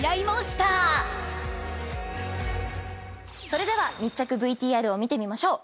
それでは密着ＶＴＲを見てみましょう。